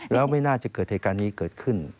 แล้วไม่น่าจะเกิดเหตุการณ์นี้เกิดขึ้น